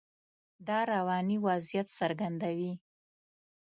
دا رواني وضعیت څرګندوي.